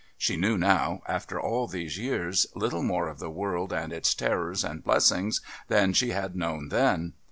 She knew now, after all those years, little more of the world and its terrors and blessings than she had known then.